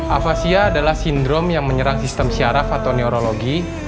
avasia adalah sindrom yang menyerang sistem syaraf atau neurologi